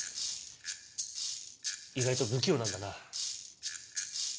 意外と不器用なんだな。